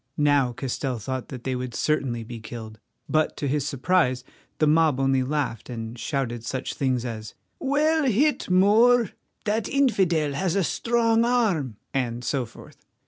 Now Castell thought that they would certainly be killed, but to his surprise the mob only laughed and shouted such things as "Well hit, Moor!" "That infidel has a strong arm," and so forth.